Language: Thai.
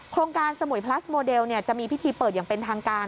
โครงการสมุยพลัสโมเดลจะมีพิธีเปิดอย่างเป็นทางการ